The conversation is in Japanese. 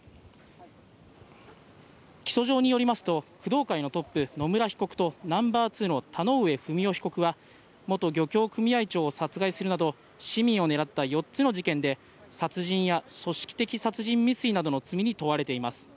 起訴状によりますと、工藤会のトップ、野村被告と、ナンバー２の田上不美夫被告は、元漁協組合長を殺害するなど、市民を狙った４つの事件で、殺人や組織的殺人未遂などの罪に問われています。